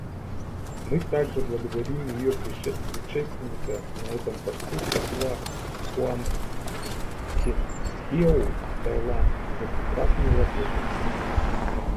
Мы также благодарим ее предшественника на этом посту посла Пхуангкеткеоу, Таиланд, за прекрасную работу.